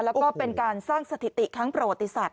แล้วก็เป็นการสร้างสถิติครั้งประวัติศาสต